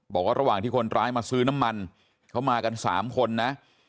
บอกว่าระหว่างที่คนร้ายมาซื้อน้ำมันเขามากัน๓คนนะ